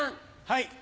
はい。